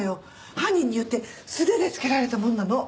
犯人によって素手で付けられたものなの。